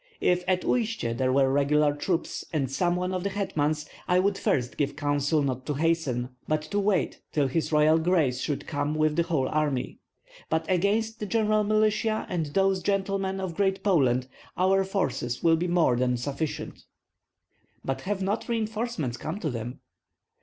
If at Uistsie there were regular troops and some one of the hetmans, I first would give counsel not to hasten, but to wait till his royal Grace should come with the whole army; but against the general militia and those gentlemen of Great Poland our forces will be more than sufficient." "But have not reinforcements come to them?"